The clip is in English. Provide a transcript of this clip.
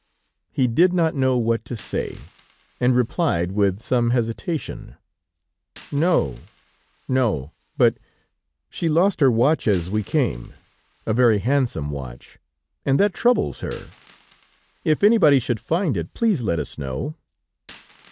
He did not know what to say, and replied with some hesitation: "No ... no ... but she lost her watch as we came, a very handsome watch, and that troubles her. If anybody should find it, please let us know."